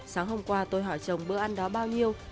sáng hôm qua tôi hỏi chồng bữa ăn đó bao nhiêu